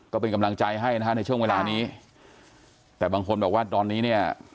ก็เป็นกำลังใจให้นะฮะในช่วงเวลานี้แต่บางคนบอกว่าตอนนี้เนี่ย